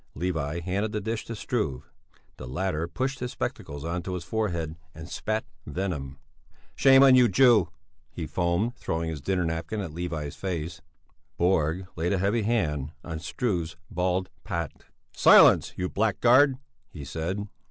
Levi handed the dish to Struve. The latter pushed his spectacles on to his forehead and spat venom. "Shame on you, Jew," he foamed, throwing his dinner napkin in Levi's face. Borg laid a heavy hand on Struve's bald pate. "Silence, you blackguard!" he said.